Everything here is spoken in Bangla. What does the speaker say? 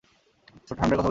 ছোট্ট থান্ডারের কথা বলেছি।